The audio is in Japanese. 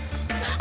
あ。